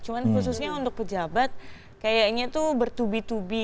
cuma khususnya untuk pejabat kayaknya tuh bertubi tubi